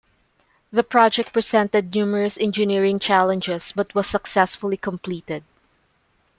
The project presented numerous engineering challenges but was successfully completed.